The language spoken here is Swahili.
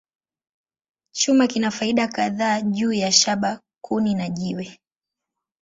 Chuma kina faida kadhaa juu ya shaba, kuni, na jiwe.